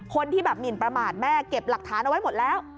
คนที่แบบหมินประมาทแม่เก็บหลักฐานเอาไว้หมดแล้ว